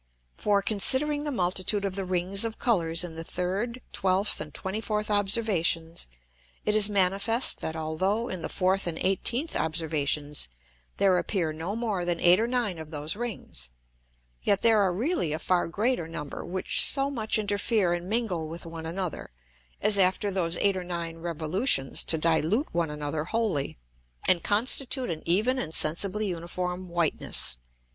For, considering the multitude of the Rings of Colours in the 3d, 12th, and 24th Observations, it is manifest, that although in the 4th and 18th Observations there appear no more than eight or nine of those Rings, yet there are really a far greater number, which so much interfere and mingle with one another, as after those eight or nine revolutions to dilute one another wholly, and constitute an even and sensibly uniform whiteness.